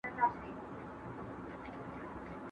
¬ درواغ د ايمان زيان دئ.